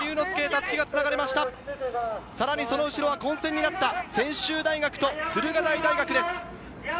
その後ろは混戦になった専修大と駿河台大学です。